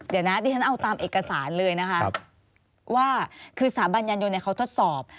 เดี๋ยวนะดิฉันเอาตามเอกสารเลยนะคะว่าคือสถาบันยานยนต์เขาทดสอบ